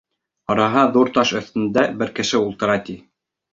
Ҡараһа, ҙур таш өҫтөндә бер кеше ултыра, ти.